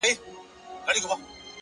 د لرې اورګاډي غږ د فضا خالي توب ښيي،